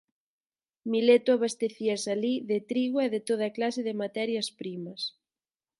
Mileto abastecíase alí de trigo e de toda clase de materias primas.